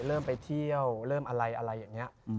เริ่มไปเที่ยวเริ่มอะไรอะไรอย่างนี้